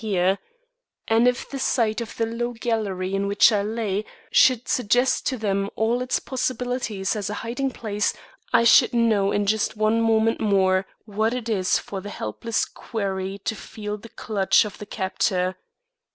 Their object was definite, and if the sight of the low gallery in which I lay, should suggest to them all its possibilities as a hiding place, I should know in just one moment more what it is for the helpless quarry to feel the clutch of the captor.